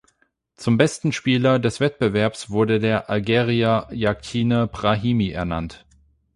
Zum besten Spieler des Wettbewerbs wurde der Algerier Yacine Brahimi ernannt.